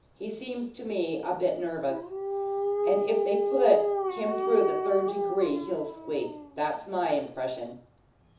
He seems to me a bit nervous, and if they put him through the third degree he'll squeak. That's my impression."